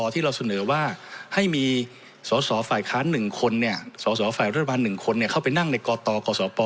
ที่เราเสนอว่าให้มีสศฝค๑คนเข้าไปนั่งในกตและกศป